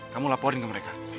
kamu laporin ke mereka